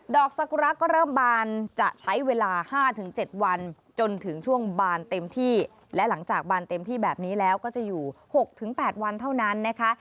อกสกุระก็เริ่มบานจะใช้เวลา๕๗วันจนถึงช่วงบานเต็มที่และหลังจากบานเต็มที่แบบนี้แล้วก็จะอยู่๖๘วันเท่านั้นนะคะ